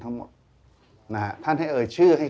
ชื่องนี้ชื่องนี้ชื่องนี้ชื่องนี้